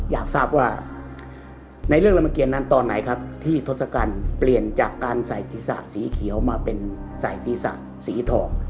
อยากทราบว่าในเรื่องรามเกียรนั้นตอนไหนครับที่ทศกัณฐ์เปลี่ยนจากการใส่ศีรษะสีเขียวมาเป็นใส่ศีรษะสีทอง